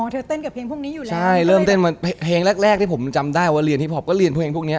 เต้นกับเพลงพวกนี้อยู่แล้วใช่เริ่มเต้นมาเพลงแรกแรกที่ผมจำได้ว่าเรียนฮิปพอปก็เรียนเพลงพวกนี้